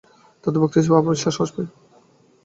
তাতে ভক্তি আসবে, বিশ্বাস আসবে।